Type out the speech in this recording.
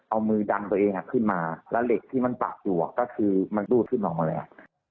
เอามือดังตัวเองอ่ะขึ้นมาแล้วเหล็กที่มันปักอยู่อ่ะก็คือมันดูดขึ้นออกมาแล้ว